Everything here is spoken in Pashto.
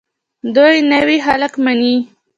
دوی نوي خلک مني.